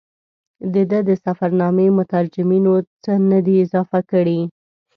د ده د سفرنامې مترجمینو څه نه دي اضافه کړي.